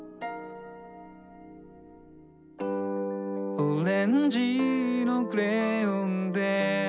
「オレンジのクレヨンで」